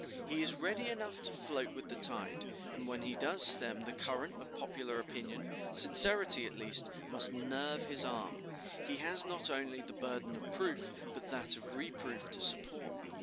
He is ready enough to float with the tide, and when he does stem the current of popular opinion, sincerity, at least, must nerve his arm. He has not only the burden of proof, but that of reproof to support.